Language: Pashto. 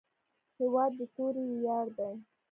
هېواد د توري ویاړ دی.